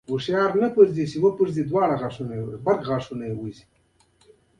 واکمنان د خپل اقتصاد بیا تنظیم په فکر کې شول.